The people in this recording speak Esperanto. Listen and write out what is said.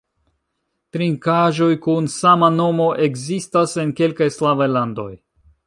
Trinkaĵoj kun sama nomo ekzistas en kelkaj slavaj landoj.